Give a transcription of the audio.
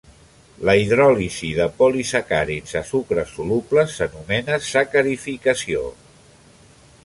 La hidròlisi de polisacàrids a sucres solubles s'anomena sacarificació.